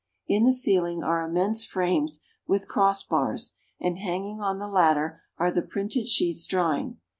In the ceiling are immense frames with cross bars, and hanging on the latter are the printed sheets drying.